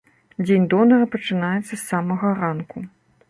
Дзень донара пачынаецца з самага ранку.